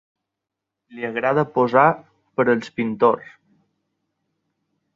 Li agrada posar per als pintors.